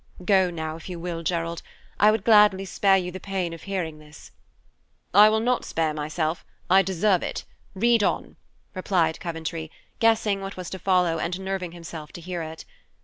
Go now, if you will, Gerald. I would gladly spare you the pain of hearing this." "I will not spare myself; I deserve it. Read on," replied Coventry, guessing what was to follow and nerving himself to hear it.